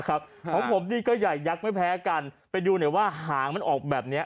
ของผมนี่ก็ใหญ่ยักษ์ไม่แพ้กันไปดูหน่อยว่าหางมันออกแบบเนี้ย